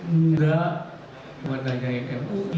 enggak mau tanya yang eko